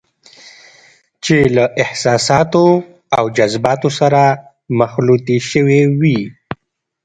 چې له احساساتو او جذباتو سره مخلوطې شوې وي.